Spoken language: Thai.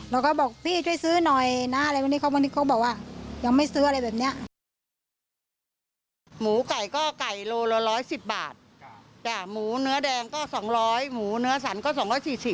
ลูกค้าก็โบนอยู่บางคนเขาก็โบน